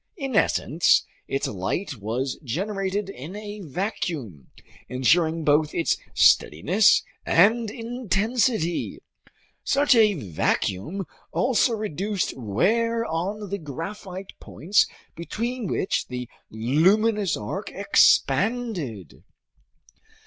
In essence, its light was generated in a vacuum, insuring both its steadiness and intensity. Such a vacuum also reduced wear on the graphite points between which the luminous arc expanded.